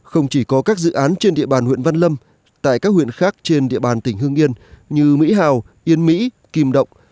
không chỉ có các dự án trên địa bàn huyện văn lâm tại các huyện khác trên địa bàn tỉnh hương yên như mỹ hào yên mỹ kim động